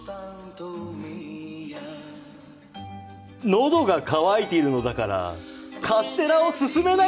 のどが渇いているのだからカステラを勧めないでください。